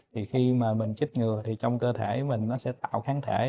thì khi mà mình chích ngừa thì trong cơ thể mình nó sẽ tạo kháng thể